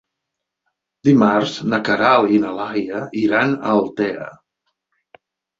Dimarts na Queralt i na Laia iran a Altea.